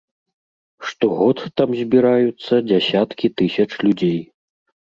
Штогод там збіраюцца дзясяткі тысяч людзей.